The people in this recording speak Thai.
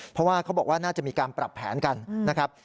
เพราะว่าเขาบอกว่าน่าจะมีการปรับแผนกันนะครับ